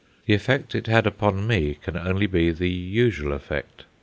The effect it had upon me can only be the usual effect.